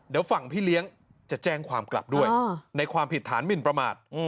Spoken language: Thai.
เดี๋ยวฝั่งพี่เลี้ยงจะแจ้งความกลับด้วยในความผิดฐานหมินประมาท